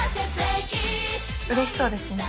うれしそうですね。